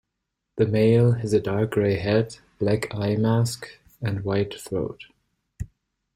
The male has a dark grey head, black eye mask, and white throat.